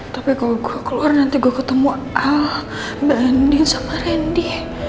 tapi kalau gue keluar nanti gue ketemu ah banding sama randy